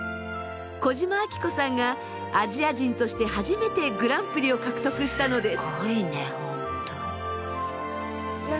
児島明子さんがアジア人として初めてグランプリを獲得したのです。